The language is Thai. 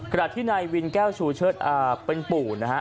ขณะที่นายวินแก้วชูเชิดเป็นปู่นะฮะ